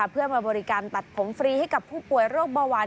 เพื่อมาบริการตัดผมฟรีให้กับผู้ป่วยโรคเบาหวาน